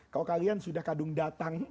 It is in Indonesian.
kalau kalian sudah kadung datang